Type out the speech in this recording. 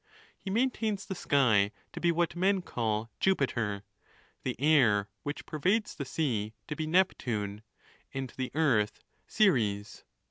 He maintains the sky to be what men call Jupiter; the air, which pervades the sea, to be Neptune ; and the earth, Ceres.